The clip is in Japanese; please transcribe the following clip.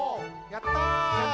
やった！